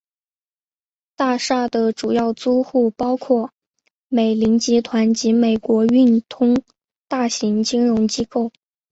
大厦的主要租户包括美林集团及美国运通大型金融机构。